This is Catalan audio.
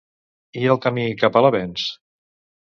I el camí cap a l'avenç?